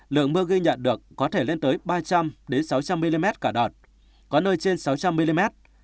lượng mưa ghi nhận được có thể lên tới ba trăm linh sáu trăm linh mm cả đợt có nơi trên sáu trăm linh mm